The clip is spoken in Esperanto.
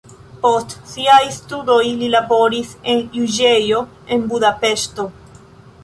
Post siaj studoj li laboris en juĝejo en Budapeŝto.